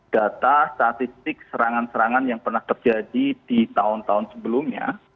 data statistik serangan serangan yang pernah terjadi di tahun tahun sebelumnya